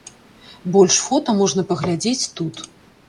Больш фота можна паглядзець тут.